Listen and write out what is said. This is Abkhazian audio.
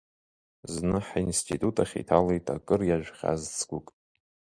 Зны ҳинститут ахь иҭалеит акыр иажәхьаз цгәык.